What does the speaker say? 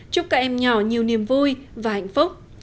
chúc các em nhỏ nhiều niềm vui và hạnh phúc